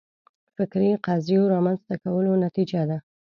فکري قضیو رامنځته کولو نتیجه ده